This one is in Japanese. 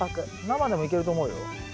生でもいけると思うよ。